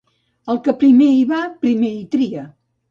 El que primer hi va, primer hi tria.